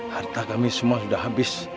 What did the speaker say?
harta kami semua sudah habis